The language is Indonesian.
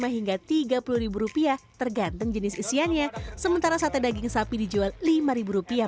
lima hingga tiga puluh rupiah tergantung jenis isiannya sementara sate daging sapi dijual lima ribu rupiah